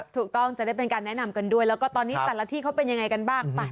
ถูกต้องจะได้เป็นการแนะนำกันด้วยแล้วก็ตอนนี้แต่ละที่เขาเป็นยังไงกันบ้างไป